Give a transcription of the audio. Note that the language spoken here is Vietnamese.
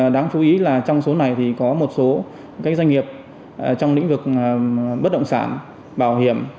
đáng chú ý là trong số này thì có một số doanh nghiệp trong lĩnh vực bất động sản bảo hiểm